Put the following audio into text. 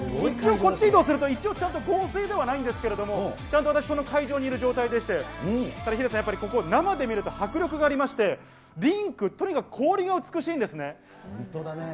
こっち移動すると、一応ちゃんと合成ではないんですけれども、ちゃんと私、その会場にいる状態でして、ヒデさん、やっぱりここ生で見ると迫力がありまして、リンク、とにかく氷が美しいんですね。